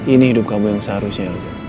ini hidup kamu yang seharusnya